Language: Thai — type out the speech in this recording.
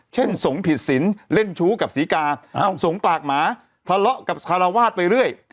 สงฆ์ผิดสินเล่นชู้กับศรีกาสงฆ์ปากหมาทะเลาะกับคารวาสไปเรื่อย